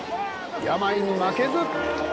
病に負けず